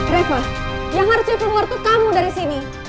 reva yang harus saya penguat itu kamu dari sini